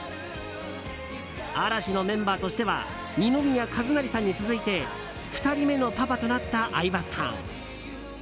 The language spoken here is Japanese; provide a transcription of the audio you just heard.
嵐のメンバーとしては二宮和也さんに続いて２人目のパパとなった相葉さん。